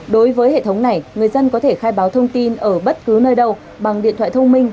đối với hệ thống này người dân có thể khai báo thông tin ở bất cứ nơi đâu bằng điện thoại thông minh